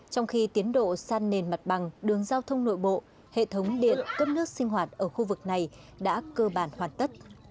trong khi tiến độ san nền mặt bằng đường giao thông nội bộ hệ thống điện cấp nước sinh hoạt ở khu vực này đã cơ bản hoàn tất